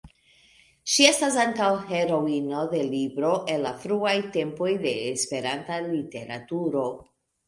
Ŝi estas ankaŭ heroino de libro el la fruaj tempoj de Esperanta literaturo.